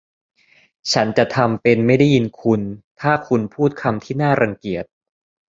ฉันจะทำเป็นไม่ได้ยินคุณถ้าคุณพูดคำที่น่ารังเกียจ